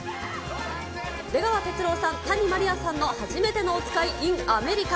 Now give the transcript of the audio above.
出川哲朗さん、谷まりあさんのはじめてのおつかいｉｎアメリカ。